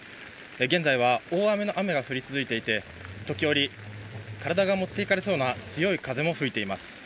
現在は大雨の雨が降り続いていて、時折、体が持っていかれそうな強い風も吹いています。